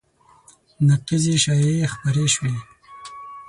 نقیضې شایعې خپرې شوې